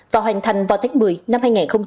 và hoàn thành vào tháng một mươi năm hai nghìn hai mươi